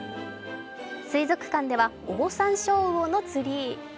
水族館ではオオサンショウウオのツリー。